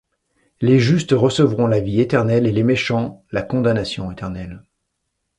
Les justes recevront la vie éternelle et les méchants, la condamnation éternelle.